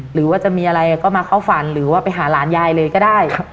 หรือว่าจะมีอะไรก็มาเข้าฝันหรือว่าไปหาหลานยายเลยก็ได้